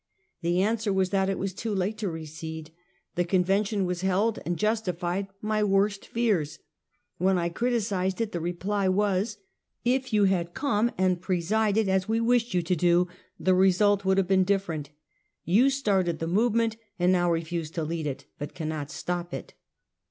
The answer was that it was too late to recede. The convention was held, and justified my worst fears. When I criticised it, the reply was: " If you had come and presided, as we wished you to do, the result would have been different. You started the movement and now refuse to lead it, but cannot stop it."